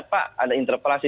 pak ada interpelasi